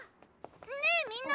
ねえみんな！